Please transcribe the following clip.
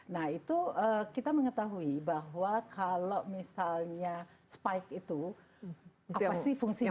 nah itu kita mengetahui bahwa kalau misalnya spike itu apa sih fungsinya